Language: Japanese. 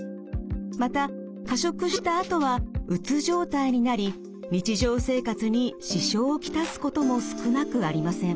また過食したあとはうつ状態になり日常生活に支障を来すことも少なくありません。